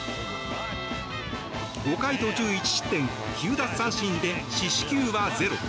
５回途中１失点９奪三振で四死球はゼロ。